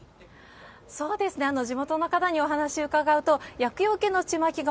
地元の方にお話伺うと、厄よけのちまきが、